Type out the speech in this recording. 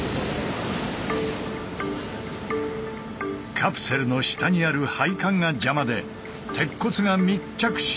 カプセルの下にある配管が邪魔で鉄骨が密着しない。